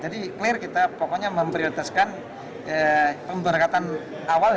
jadi clear kita memprioritaskan pemberkatan awal ya